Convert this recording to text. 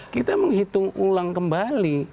kita menghitung ulang kembali